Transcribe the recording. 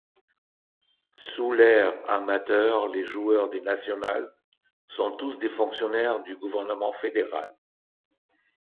Sous l'ère amateur, les joueurs des Nationals sont tous des fonctionnaires du gouvernement fédéral.